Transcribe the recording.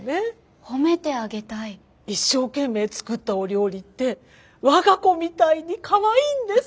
一生懸命作ったお料理って我が子みたいにかわいいんです！